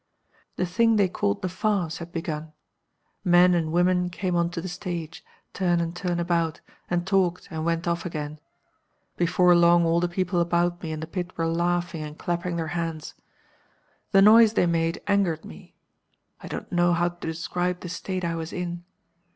"The thing they called the farce had begun. Men and women came on to the stage, turn and turn about, and talked, and went off again. Before long all the people about me in the pit were laughing and clapping their hands. The noise they made angered me. I don't know how to describe the state I was in.